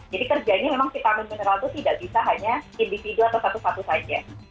jadi kerjanya memang vitamin mineral itu tidak bisa hanya individu atau satu satu saja